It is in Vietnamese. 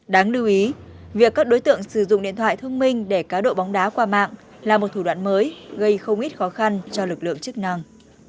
đáng lưu ý việc các đối tượng sử dụng điện thoại thông minh để cá độ bóng đá qua mạng là một thủ đoạn mới gây không ít khó khăn cho lực lượng chức năng